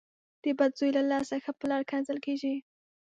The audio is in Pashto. د بد زوی له لاسه ښه پلار کنځل کېږي.